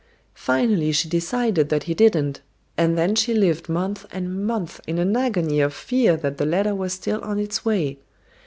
Finally she decided that he didn't, and then she lived months and months in an agony of fear that the letter was still on its way.